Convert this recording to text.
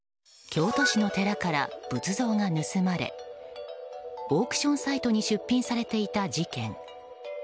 京都市の寺から仏像が盗まれオークションサイトに出品されていた事件。